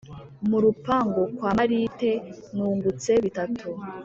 Mu rupangu kwa Marite Nungutse bitatu